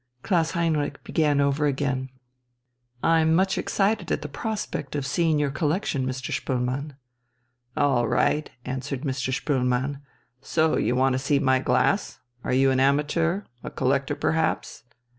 Klaus Heinrich began over again: "I am much excited at the prospect of seeing your collection, Mr. Spoelmann." "All right," answered Mr. Spoelmann. "So you want to see my glass? Are you an amateur? A collector perhaps?"